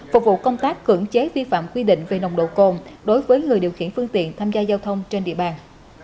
phục vụ công tác cưỡng chế vi phạm quy định về nồng độ cồn đối với người điều khiển phương tiện tham gia giao thông trên địa bàn